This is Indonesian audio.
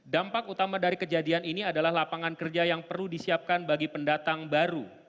dampak utama dari kejadian ini adalah lapangan kerja yang perlu disiapkan bagi pendatang baru